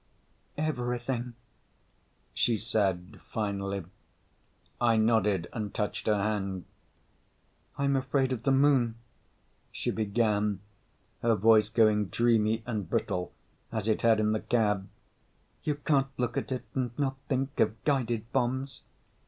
"Everything," she said finally. I nodded and touched her hand. "I'm afraid of the Moon," she began, her voice going dreamy and brittle as it had in the cab. "You can't look at it and not think of guided bombs."